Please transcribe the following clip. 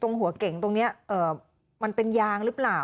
หัวเก่งตรงนี้มันเป็นยางหรือเปล่า